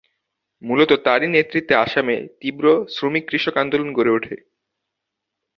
মূলত তারই নেতৃত্বে আসামে তীব্র শ্রমিক-কৃষক আন্দোলন গড়ে ওঠে।